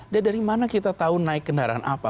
dia dari mana kita tahu naik kendaraan apa